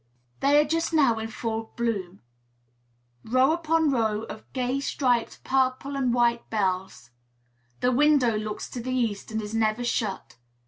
They are just now in full bloom, row upon row of gay striped purple and white bells. The window looks to the east, and is never shut.